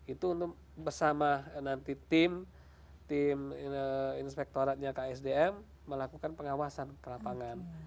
itu untuk bersama nanti tim inspektoratnya ksdm melakukan pengawasan kelapangan